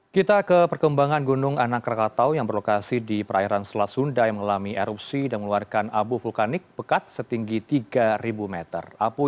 kita ke perkembangan gunung anak rakatau yang berlokasi di perairan selat sunda yang mengalami erupsi dan mengeluarkan abu vulkanik pekat setinggi tiga meter